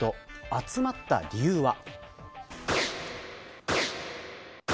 集まった理由は。